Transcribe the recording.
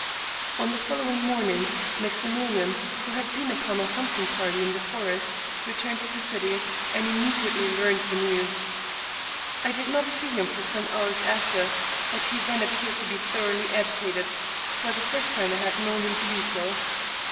On the following morning, Maximilian, who had been upon a hunting party in the forest, returned to the city, and immediately learned the news. I did not see him for some hours after, but he then appeared to me thoroughly agitated, for the first time I had known him to be so.